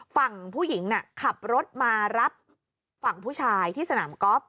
ฝั่งผู้หญิงน่ะขับรถมารับฝั่งผู้ชายที่สนามกอล์ฟ